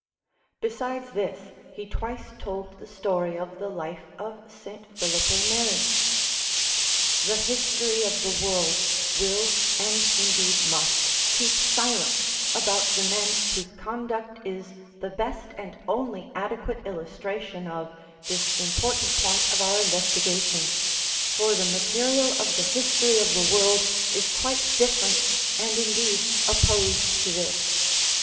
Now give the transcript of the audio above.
Besides this, he twice told the story of the life of St. Philippo Neri. The history of the world, will, and indeed must, keep silence about the men whose conduct is the best and only adequate illustration of this important point of our investigation, for the material of the history of the world is quite different, and indeed opposed to this.